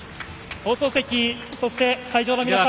放送席、そして会場の皆さん